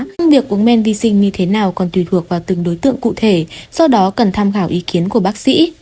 nhưng việc uống men vi sinh như thế nào còn tùy thuộc vào từng đối tượng cụ thể do đó cần tham khảo ý kiến của bác sĩ